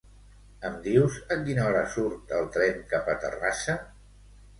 Em dius a quina hora surt el tren cap a Terrassa?